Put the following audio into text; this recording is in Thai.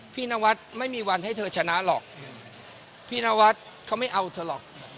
นวัดไม่มีวันให้เธอชนะหรอกพี่นวัดเขาไม่เอาเธอหรอก